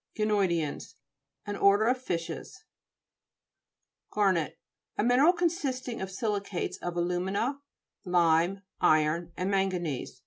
19* GANOIDEAXS An order of fishes (p. 48). GA'RNET A mineral consisting of silicates of alu'mina, lime, iron, and manganese.